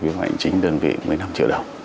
vi phạm ảnh chính đơn vị một mươi năm triệu đồng